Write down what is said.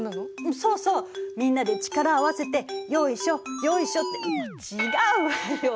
そうそうみんなで力を合わせてよいしょよいしょって違うわよ。